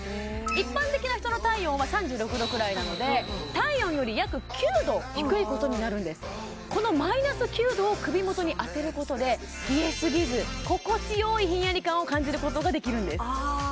一般的な人の体温は３６度くらいなので体温より約９度低いことになるんですこのマイナス９度を首元に当てることで冷えすぎず心地よいひんやり感を感じることができるんです